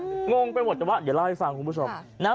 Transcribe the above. เดี๋ยวเล่าให้ฟังคุณผู้ชม